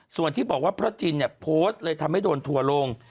ส่วนที่บอกว่าพระจินเนี่ยโพสต์เลยทำให้โดนทัวร์ลง